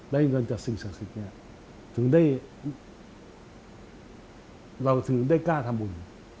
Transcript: ได้เงินจากสิ่งเสียงศึกษีเราถึงได้กล้าทำบุญ